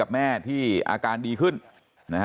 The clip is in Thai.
กระดิ่งเสียงเรียกว่าเด็กน้อยจุดประดิ่ง